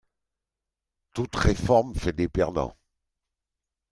Toute réforme fait des perdants